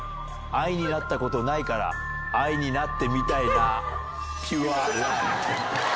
愛になったことないから、愛になってみたいな。